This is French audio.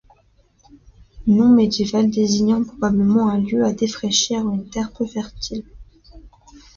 Nom médiéval désignant probablement un lieu à défricher ou une terre peu fertile.